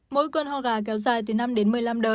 mỗi cơn hò gà kéo dài từ năm đến một mươi năm đợt